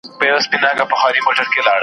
د بډای په ختم کي ملا نه ستړی کېږي .